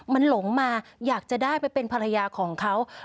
มันหลงมาอยากจะได้ไปเป็นภรรยาของเขา